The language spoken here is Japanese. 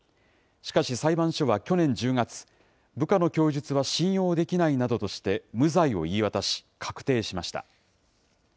しかし裁判所は去年１０月、部下の供述は信用できないなどとして、無罪を言い渡し、確定しました。